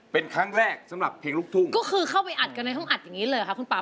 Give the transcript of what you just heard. เป็นครั้งแรกสำหรับเพลงลูกทุ่งก็คือเข้าไปอัดกันในห้องอัดอย่างนี้เลยค่ะคุณป่า